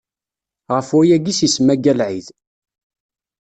Ɣef wayagi i s-isemma Galɛid.